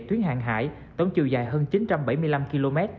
tuyến hàng hải tổng chiều dài hơn chín trăm bảy mươi năm km